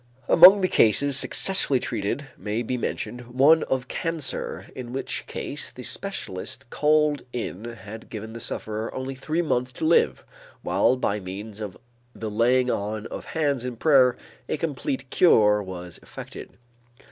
Among the cases successfully treated may be mentioned "one of cancer in which case the specialist called in had given the sufferer only three months to live while by means of the laying on of hands in prayer, a complete cure was effected."